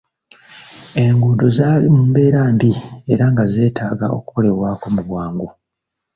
Enguudo zaali mu mbeera mbi era nga zeetaaga okukolebwako mu bwangu.